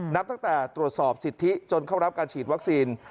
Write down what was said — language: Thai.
นับตั้งแต่ตรวจสอบสิทธิจนเข้ารับการฉีดวัคซีน